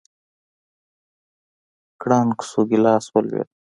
کړنگ سو گيلاس ولوېد.